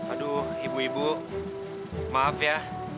aduh ibu ibu maaf ya